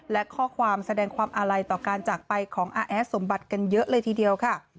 และข้อความแสดงความอาลัยต่อการจากไปของอาแอดสมบัติกันเยอะเลยทีเดียวค่ะ